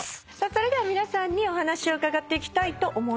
それでは皆さんにお話を伺っていきたいと思います。